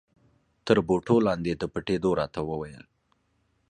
تر بوټو لاندې د پټېدو را ته و ویل.